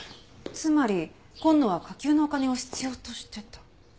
つまり今野は火急のお金を必要としてた。